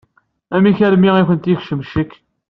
Amek armi i kent-yekcem ccek?